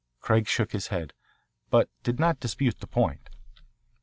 Craig shook his head, but did not dispute the point.